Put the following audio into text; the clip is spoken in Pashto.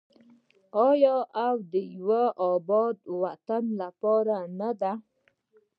آیا او د یو اباد وطن لپاره نه ده؟